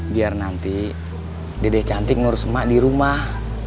biar nanti dede cantik ngurus emak di rumah